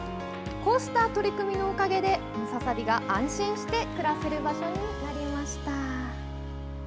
こうした取り組みのおかげでムササビが安心して暮らせる場所になりました。